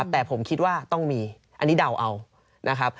แต่ผมคิดว่าต้องมีอันนี้เดาเอานะครับ